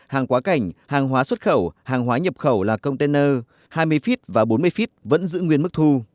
hàng quá cảnh hàng hóa xuất khẩu hàng hóa nhập khẩu là container hai mươi feet và bốn mươi feet vẫn giữ nguyên mức thu